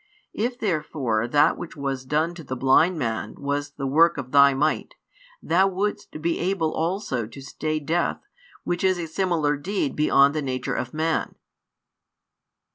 If therefore that which was done to the blind man was the work of Thy might, Thou wouldst be able also to stay death, which is a similar deed beyond the nature of man."